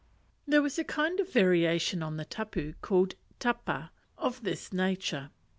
There was a kind of variation on the tapu, called tapa, of this nature.